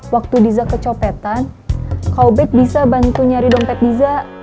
waktu diza kecopetan kaubet bisa bantu nyari dompet diza